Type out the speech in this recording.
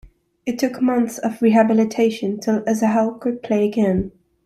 It took months of rehabilitation till Azaough could play again.